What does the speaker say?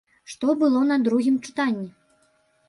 Што было на другім чытанні?